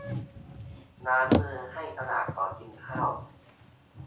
ล้างมือให้สะอาดก่อนกินข้าว